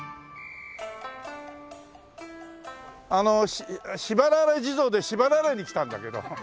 あのしばられ地蔵でしばられに来たんだけど。